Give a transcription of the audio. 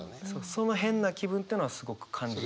その「変な気分」っていうのはすごく感じて。